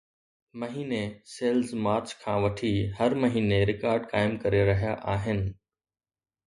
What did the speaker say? مهيني sales March کان وٺي هر مهيني رڪارڊ قائم ڪري رهيا آهن